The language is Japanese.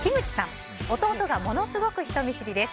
弟がものすごく人見知りです。